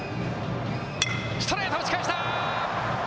ストレート、打ち返した。